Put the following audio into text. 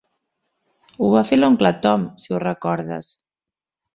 Ho va fer l'oncle Tom, si ho recordes.